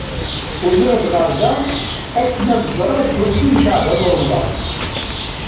Usiɣ-d ɣer da akken ad ẓreɣ Lḥusin n Caɛban u Ṛemḍan.